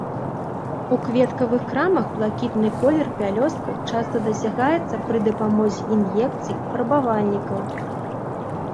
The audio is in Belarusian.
У кветкавых крамах блакітны колер пялёсткаў часта дасягаецца пры дапамозе ін'екцый фарбавальнікаў.